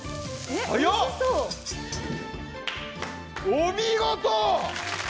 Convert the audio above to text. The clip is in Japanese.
お見事！